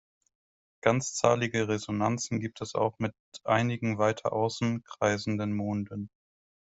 Ganzzahlige Resonanzen gibt es auch mit einigen weiter außen kreisenden Monden.